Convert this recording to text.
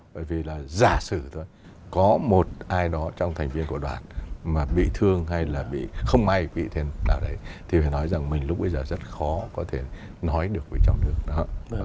bởi vì là giả sử thôi có một ai đó trong thành viên của đoàn mà bị thương hay là bị không may bị then đạo đấy thì phải nói rằng mình lúc bây giờ rất khó có thể nói được với trong nước